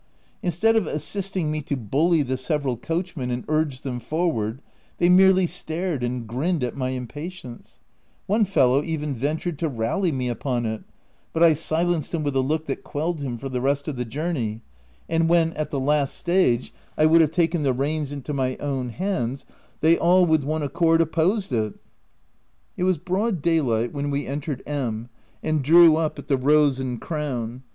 Instead of assisting me to bully the several coachmen and urge them forward, they merely stared and grinned at my impatience : one fellow even ven tured to rally me upon it — but I silenced him with a look that quelled him for the rest of the journey ;— and when, at the last stage, I would have taken the reins into my own hand, they all with one accord opposed it. It was broad daylight when we entered M — and drew up at the Rose and Crown.